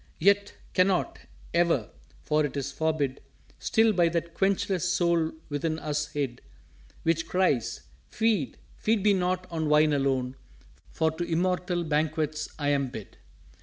_" "Yet can not ever! For it is forbid Still by that quenchless Soul within us hid, Which cries, 'Feed feed me not on Wine alone, For to Immortal Banquets I am bid.'"